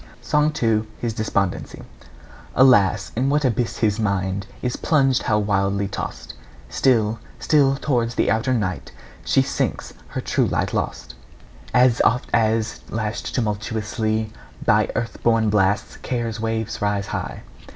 SONG II. HIS DESPONDENCY. Alas! in what abyss his mind Is plunged, how wildly tossed! Still, still towards the outer night She sinks, her true light lost, As oft as, lashed tumultuously By earth born blasts, care's waves rise high.